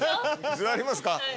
座りますか。